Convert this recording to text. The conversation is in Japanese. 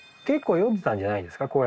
結構読んでたんじゃないですか？